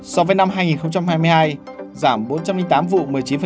so với năm hai nghìn hai mươi hai giảm bốn trăm linh tám vụ một mươi chín